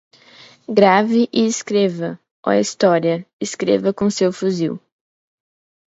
Grave e escreva, ó história, escreva com seu fuzil